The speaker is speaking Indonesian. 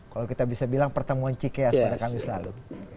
kalau kita bisa bilang pertemuan cikea seperti kamis lalu